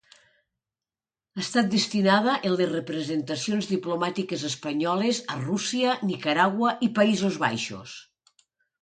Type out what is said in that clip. Ha estat destinada en les representacions diplomàtiques espanyoles a Rússia, Nicaragua i Països Baixos.